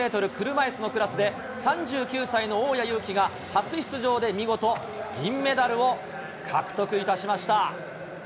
車いすのクラスで、３９歳の大矢勇気が初出場で見事銀メダルを獲得いたしました。